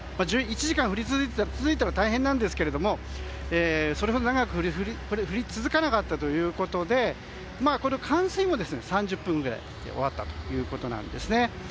１時間降り続いたら大変なんですけど、それほど長く降り続かなかったということで冠水も３０分ぐらいで終わったということです。